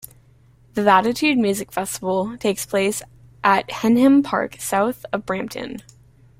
The Latitude music festival takes place at Henham Park south of Brampton.